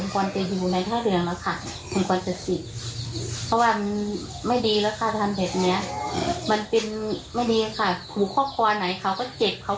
ใครก็เกลียดละค่ะเลี้ยงหมากว่าจะโตจะใหญ่